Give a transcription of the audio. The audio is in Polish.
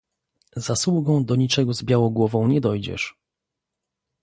"Zasługą do niczego z białogłową nie dojdziesz!"